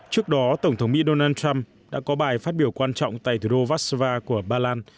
trước đó tổng thống mỹ donald trump đã có bài phát biểu quan trọng tại thủ đô vasva của ba lan